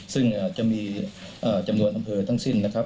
ซึ่งจะมีจำนวนอำเภอทั้งสิ้นนะครับ